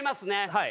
はい。